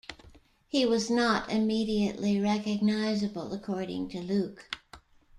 He was not immediately recognizable, according to Luke.